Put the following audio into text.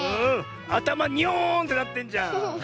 あたまニョーンってなってんじゃん。